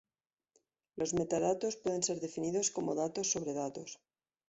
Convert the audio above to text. Los metadatos pueden ser definidos como "datos sobre datos".